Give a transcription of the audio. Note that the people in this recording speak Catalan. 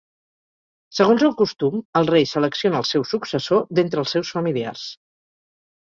Segons el costum, el rei selecciona el seu successor d'entre els seus familiars.